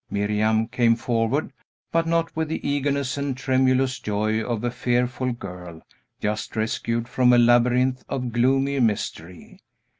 Miriam came forward, but not with the eagerness and tremulous joy of a fearful girl, just rescued from a labyrinth of gloomy mystery.